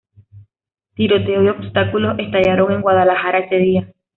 Tiroteos y obstáculos estallaron en Guadalajara ese día.